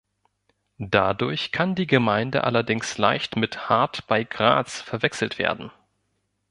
Dadurch kann die Gemeinde allerdings leicht mit Hart bei Graz verwechselt werden.